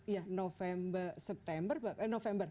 ya november september eh november